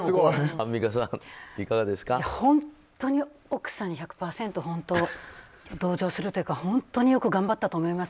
本当に奥さんに１００％同情するというか本当によく頑張ったと思います